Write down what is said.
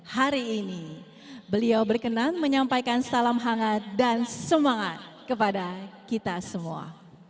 hari ini beliau berkenan menyampaikan salam hangat dan semangat kepada kita semua